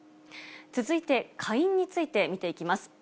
続いて下院について見ていきます。